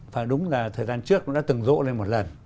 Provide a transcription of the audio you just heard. và đúng là thời gian trước nó đã từng rỗ lên một lần